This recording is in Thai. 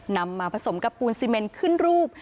นำมาผสมกับปูนซีเมนขึ้นรูป